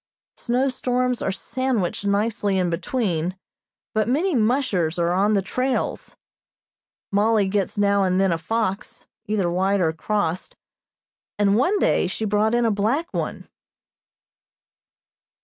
Snow storms are sandwiched nicely in between, but many "mushers" are on the trails. Mollie gets now and then a fox, either white or crossed, and one day she brought in a black one.